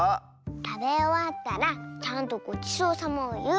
たべおわったらちゃんとごちそうさまをいう。